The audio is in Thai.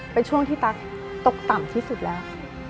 เป็นช่วงที่ตั๊กตกต่ำที่สุดแล้ว